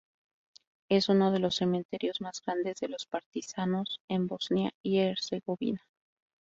Es uno de los cementerios más grandes de los partisanos en Bosnia y Herzegovina.